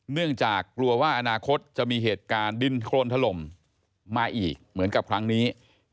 เนื่องจากกลัวว่าอนาคตจะมีเหตุการณ์ดินโครนถล่มมาอีกเหมือนกับครั้งนี้